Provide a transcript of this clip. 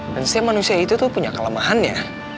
dan saya manusia itu tuh punya kelemahannya